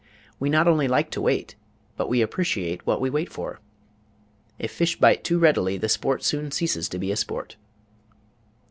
We not only like to wait but we appreciate what we wait for. If fish bite too readily the sport soon ceases to be a sport.